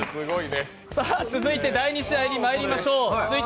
続いて第２試合にまいりましょう。